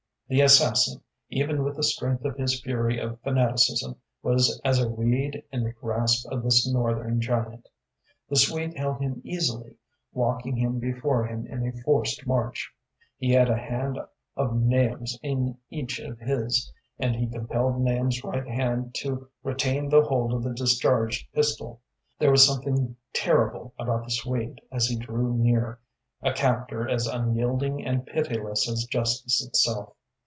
The assassin, even with the strength of his fury of fanaticism, was as a reed in the grasp of this Northern giant. The Swede held him easily, walking him before him in a forced march. He had a hand of Nahum's in each of his, and he compelled Nahum's right hand to retain the hold of the discharged pistol. There was something terrible about the Swede as he drew near, a captor as unyielding and pitiless as justice itself.